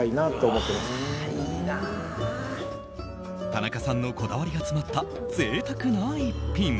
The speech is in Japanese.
田中さんのこだわりが詰まったぜいたくな一品。